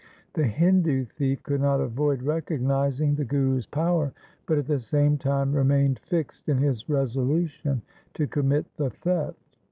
The Hindu thief could not avoid recognizing the Guru's power, but at the same time remained fixed in his resolution to commit the theft.